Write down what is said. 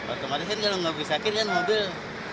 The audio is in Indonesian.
otomatis kan kalau gak bisa kir kan mobil